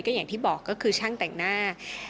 อย่างที่บอกก็คือช่างแต่งหน้า